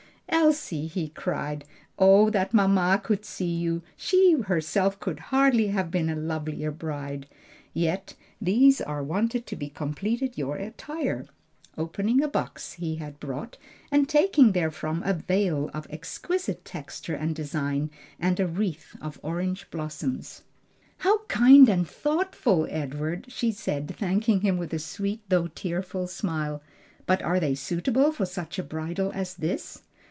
"Elsie!" he cried. "Oh that mamma could see you! she herself could hardly have been a lovelier bride! yet these are wanted to complete your attire," opening a box he had brought, and taking therefrom a veil of exquisite texture and design and a wreath of orange blossoms. "How kind and thoughtful, Edward!" she said, thanking him with a sweet though tearful smile; "but are they suitable for such a bridal as this?"